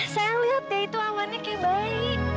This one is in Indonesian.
sayang lihat deh itu awannya kayak bayi